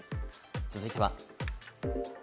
続いては。